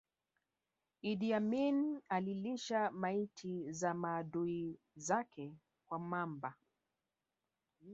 Idi Amin alilisha maiti za maadui zake kwa mamba